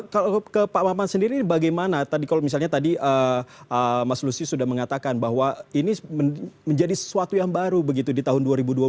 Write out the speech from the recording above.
kalau ke pak maman sendiri bagaimana tadi kalau misalnya tadi mas lusius sudah mengatakan bahwa ini menjadi sesuatu yang baru begitu di tahun dua ribu dua puluh